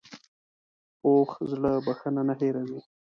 پوخ زړه بښنه نه هېروي